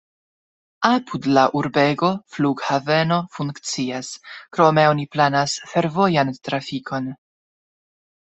Apud la urbego flughaveno funkcias, krome oni planas fervojan trafikon.